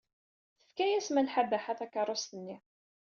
Tefka-as Malḥa Baḥa takeṛṛust-nni.